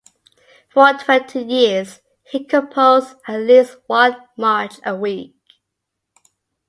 For twenty years he composed at least one march a week.